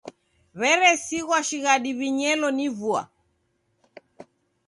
W'eresighwa shighadi w'inyelo ni vua.